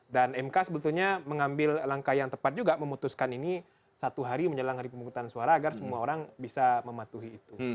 dan mk sebetulnya mengambil langkah yang tepat juga memutuskan ini satu hari menyelenggarai pemungutan suara agar semua orang bisa mematuhi itu